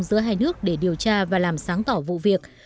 giữa hai nước để điều tra và làm sáng tỏ vụ việc